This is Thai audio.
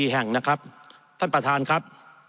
๔แห่งนะครับท่านประธานครับ